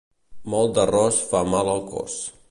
Molt d'arròs fa mal al cos.